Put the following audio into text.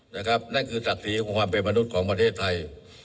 นั่นคือจัดถีกับความเป็นมนุษย์ของประเทศไทย